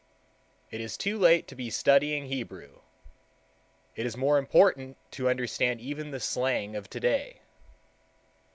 It is too late to be studying Hebrew; it is more important to understand even the slang of today.